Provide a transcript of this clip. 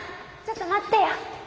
ちょっと待ってよ！